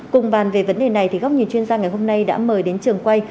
cùng bàn về vấn đề này thì góc nhìn chuyên gia ngày hôm nay đã mời đến trường quay